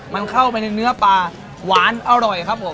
มันเข้าไปในเนื้อปลาหวานอร่อยครับผม